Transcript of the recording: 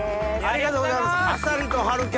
ありがとうございます。